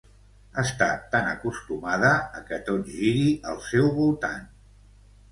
Està tan acostumada a que tot giri al seu voltant!